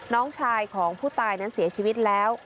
น้องชายของผู้ตายนั้นเสียชีวิตแล้ว